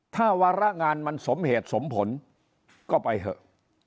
ถ้าวาระงานมันสมเหตุสมผลก็ไปเถอะ